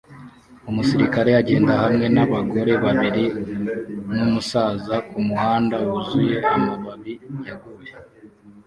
Umusirikare agenda hamwe nabagore babiri numusaza kumuhanda wuzuye amababi yaguye